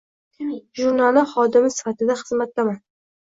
Jurnali xodimi sifatida xizmatdaman.